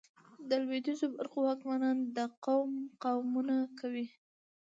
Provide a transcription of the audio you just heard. د لوېدیځو برخو واکمنان د کوم قامونه وو؟